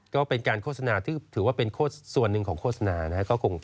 ก็เป็นการโฆษณาที่ถือว่าเป็นส่วนหนึ่งของโฆษณานะครับ